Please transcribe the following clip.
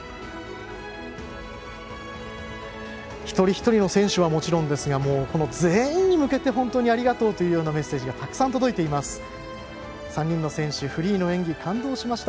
一人一人の選手はもちろんですが全員に向けて本当にありがとうというメッセージがたくさん届いています。